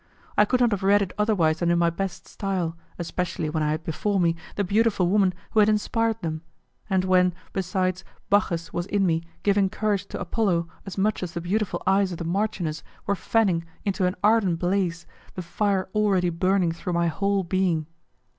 I could not have read it otherwise than in my best style, especially when I had before me the beautiful woman who had inspired them, and when, besides, Bacchus was in me giving courage to Apollo as much as the beautiful eyes of the marchioness were fanning into an ardent blaze the fire already burning through my whole being.